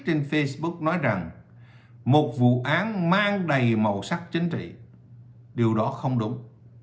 điều xoay bằng chất phụ án đồng hình cây dũ thất kỷ